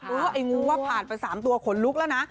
ไอ้งูว่าผ่านไป๓ตัวขนลุกแล้วนะ